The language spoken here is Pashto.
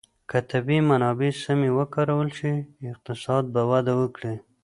که طبیعي منابع سمې وکارول شي، اقتصاد به وده وکړي.